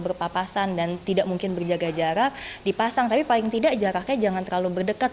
berpapasan dan tidak mungkin berjaga jarak dipasang tapi paling tidak jaraknya jangan terlalu berdekat